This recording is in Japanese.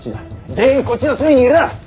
全員こっちの隅にいろ。